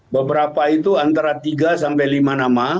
beberapa itu antara tiga sampai lima nama